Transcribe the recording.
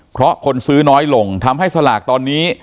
เพราะคนซื้อน้อยลงทำให้สลากตอนนี้